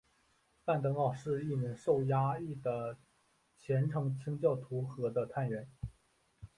范奥登是一名受压抑的虔诚清教徒和的探员。